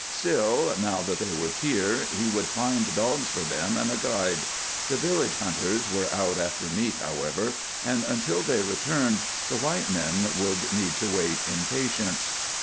Still, now that they were here, he would find dogs for them, and a guide. The village hunters were out after meat, however, and until they returned the white men would need to wait in patience.